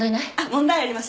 問題ありません。